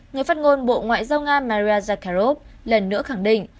người phát ngôn bộ ngoại giao nga maria zakharov lần nữa khẳng định